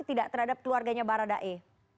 tidak terhadap keluarganya baradae